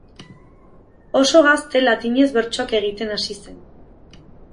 Oso gazte latinez bertsoak egiten hasi zen.